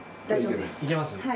大丈夫です。